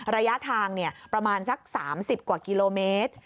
ระยะทางประมาณสัก๓๐กว่ากิโลเมตร